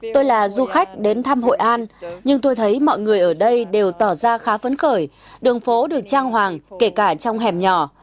tôi là du khách đến thăm hội an nhưng tôi thấy mọi người ở đây đều tỏ ra khá phấn khởi đường phố được trang hoàng kể cả trong hẻm nhỏ